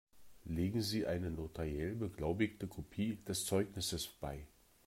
Legen Sie eine notariell beglaubigte Kopie des Zeugnisses bei.